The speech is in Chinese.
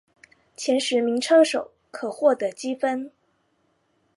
前十名车手可获得积分。